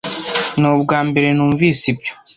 Ni ubwambere numvise ibyo.